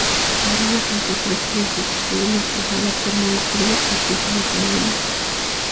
Alguna gente prefiere sustituir la cuajada por mango crudo o pulpa de tamarindo.